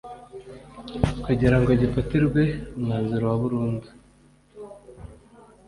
kugira ngo gifatirwe umwanzuro wa burundu